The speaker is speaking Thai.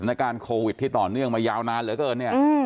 อาการโควิดที่ต่อเนื่องมายาวนานเหลือเกินเนี่ย